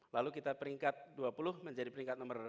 lalu kita peringkat dua puluh menjadi peringkat nomor